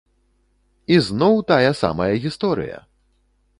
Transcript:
І зноў тая самая гісторыя!